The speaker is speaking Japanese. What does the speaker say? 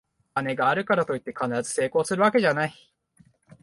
金があるからといって必ず成功するわけじゃない